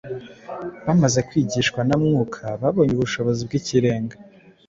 Bamaze kwigishwa na Mwuka babonye ubushobozi bw’ikirenga